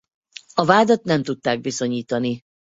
A vádat nem tudták bizonyítani.